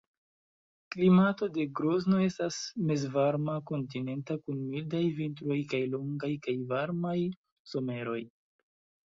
Klimato de Grozno estas mezvarma kontinenta kun mildaj vintroj kaj longaj kaj varmaj someroj.